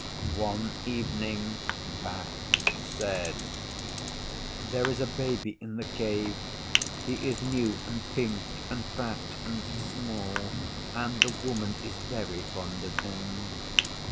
One evening Bat said, 'There is a Baby in the Cave. He is new and pink and fat and small, and the Woman is very fond of him.